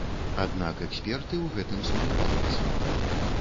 Аднак эксперты ў гэтым сумняваюцца.